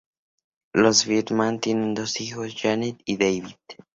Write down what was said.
Los Friedman tienen dos hijos, Janet y David